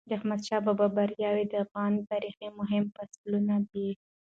د احمدشاه بابا بریاوي د افغان تاریخ مهم فصلونه دي.